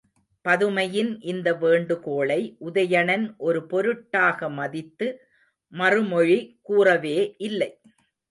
பதுமையின் இந்த வேண்டுகோளை உதயணன் ஒரு பொருட்டாக மதித்து மறுமொழி கூறவே இல்லை.